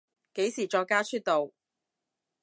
幾時作家出道？